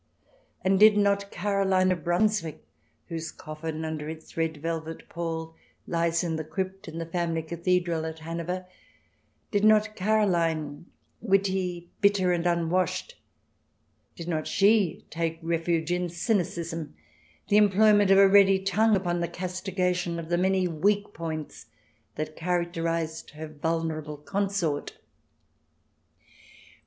And did not CH. XVII] QUEENS DISCROWNED 223 Caroline of Brunswick, whose coffin, under its red velvet pall, lies in the crypt in the family cathedral at Hanover — did not Caroline, witty, bitter and unwashed, did not she take refuge in cynicism, the employment of a ready tongue upon the castiga tion of the many weak spots that characterized her vulnerable consort?